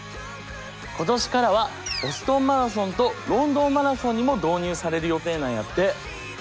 今年からはボストンマラソンとロンドンマラソンにも導入される予定なんやって。